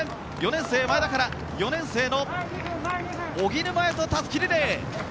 ４年生、前田から４年生の荻沼へとたすきリレー。